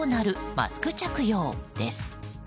マスク着用です。